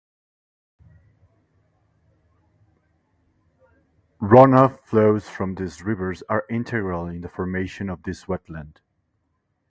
Runoff flows from these rivers are integral in the formation of this wetland.